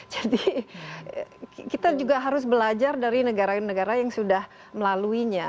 jadi kita juga harus belajar dari negara negara yang sudah melaluinya